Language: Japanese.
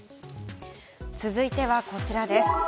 続いてはこちらです。